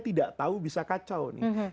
tidak tahu bisa kacau